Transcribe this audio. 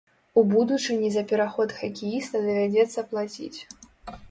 У будучыні за пераход хакеіста давядзецца плаціць.